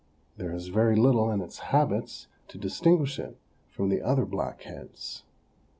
There is very little in its habits to distinguish it from the other "black heads."